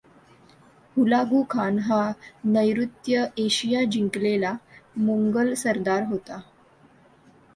हुलागु Khan हा नैऋत्य Asia जिंकलेला मोंगोल सरदार होता.